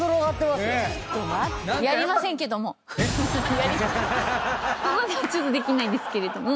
ここではちょっとできないですけれども。